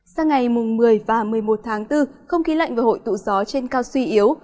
sang ngày một mươi và một mươi một tháng bốn không khí lạnh và hội tụ gió trên cao suy yếu